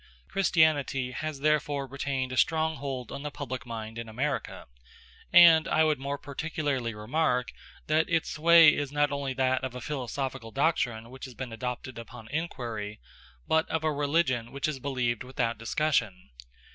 Christianity has therefore retained a strong hold on the public mind in America; and, I would more particularly remark, that its sway is not only that of a philosophical doctrine which has been adopted upon inquiry, but of a religion which is believed without discussion.